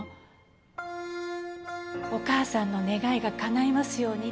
「お母さんのねがいがかないますように」